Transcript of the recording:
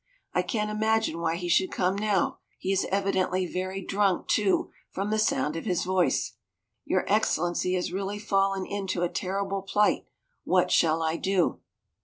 I can't imagine why he should come now. He is evidently very drunk, too, from the sound of his voice. Your Excellency has really fallen into a terrible plight. What shall I do?"